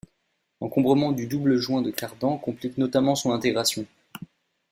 L'encombrement du double joint de Cardan complique notablement son intégration.